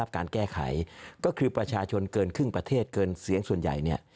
แก้ไขก็คือประชาชนเกินครึ่งประเทศเซียงส่วนใหญ่เนี่ย